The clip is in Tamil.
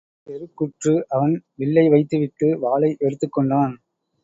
செருக்குற்று அவன் வில்லை வைத்து விட்டு வாளை எடுத்துக்கொண்டான்.